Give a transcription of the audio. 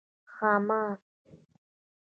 🐉ښامار